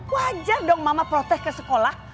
wajar dong mama protes ke sekolah